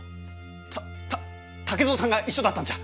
たた竹蔵さんが一緒だったんじゃ？